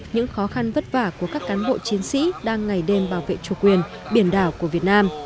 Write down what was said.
những khó khăn vất vả của các cán bộ chiến sĩ đang ngày đêm bảo vệ chủ quyền biển đảo của việt nam